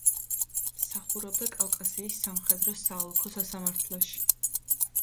მსახურობდა კავკასიის სამხედრო საოლქო სასამართლოში.